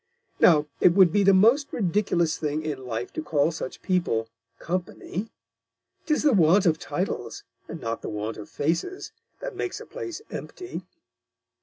Now, it would be the most ridiculous Thing in Life to call such People Company. 'Tis the Want of Titles, and not the Want of Faces, that makes a Place empty.'"